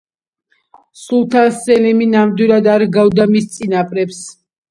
სულთან სელიმი ნამდვილად არ ჰგავდა მის წინაპრებს.